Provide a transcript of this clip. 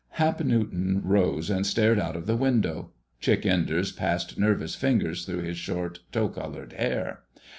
Hap Newton rose and stared out of the window. Chick Enders passed nervous fingers through his short, tow colored hair.